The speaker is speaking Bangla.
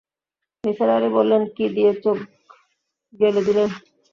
নিসার আলি বললেন, কী দিয়ে চোখ গেলে দিলেন?